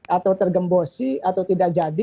atau tergembosi atau tidak jadi